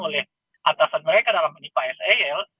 oleh atasan mereka dalam menipa sel